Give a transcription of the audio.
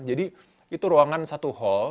jadi itu ruangan satu hall